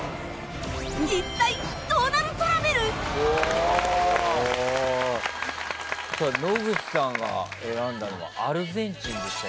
一体さあ野口さんが選んだのはアルゼンチンでしたけど。